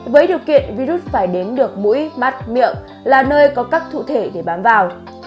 với điều kiện virus phải đến được mũi mắt miệng là nơi có các cụ thể để bám vào